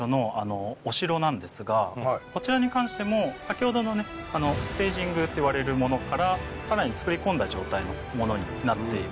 こちらに関しても先ほどのねステージングっていわれるものからさらに作り込んだ状態のものになっています。